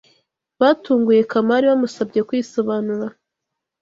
Batunguye Kamari bamusabye kwisobanura